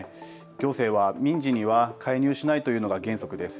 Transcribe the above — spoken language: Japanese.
行政は民事には介入しないというのが原則です。